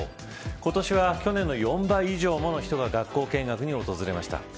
今年は去年の４倍以上もの人が学校見学に訪れました。